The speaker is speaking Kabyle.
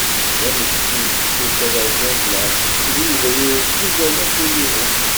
D amekti n tefsut taberkant n εecrin deg yebrir zuǧ alaf u yiwen.